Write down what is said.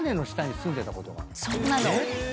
そうなの。